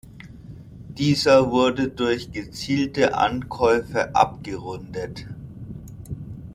Dieser wurde durch gezielte Ankäufe abgerundet.